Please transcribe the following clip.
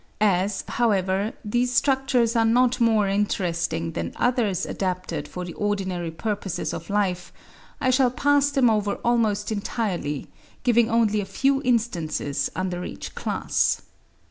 As, however, these structures are not more interesting than others adapted for the ordinary purposes of life I shall pass them over almost entirely, giving only a few instances under each class.